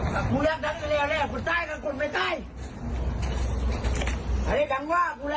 เมื่อเนี่ยมากวนมากูแล้วไปยุ่งจนมาเลย